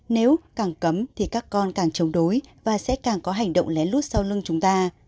nếu càng cấm thì các con càng chống đối và sẽ càng có hành động lén lút sau lưng chúng ta